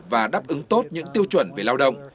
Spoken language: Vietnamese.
và đáp ứng tốt những tiêu chuẩn về lao động